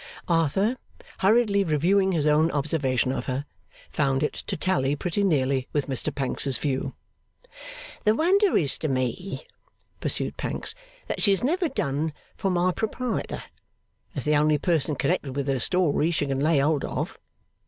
Arthur, hurriedly reviewing his own observation of her, found it to tally pretty nearly with Mr Pancks's view. 'The wonder is to me,' pursued Pancks, 'that she has never done for my proprietor, as the only person connected with her story she can lay hold of.